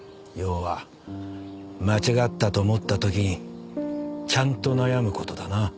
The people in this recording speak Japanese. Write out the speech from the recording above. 要は間違ったと思った時にちゃんと悩む事だな。